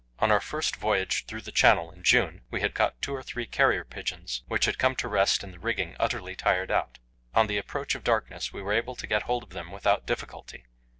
On our first voyage through the Channel in June we had caught two or three carrier pigeons, which had come to rest in the rigging utterly tired out. On the approach of darkness we were able to get hold of them without difficulty.